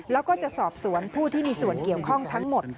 แล้วก็จะสอบสวนผู้ที่มีส่วนเกี่ยวข้องทั้งหมด